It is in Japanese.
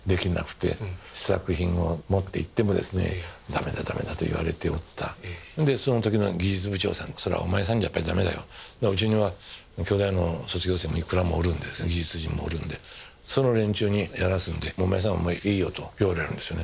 「喜んで引き受けます」と言ってやったんですがその時の技術部長さんが「そりゃお前さんじゃやっぱり駄目だようちには京大の卒業生もいくらもおるんで技術陣もおるんでその連中にやらすんでもうお前さんはもういいよ」と言われるんですよね。